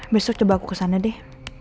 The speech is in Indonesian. besok coba aku kesana deh